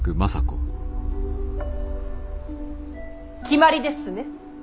決まりですね。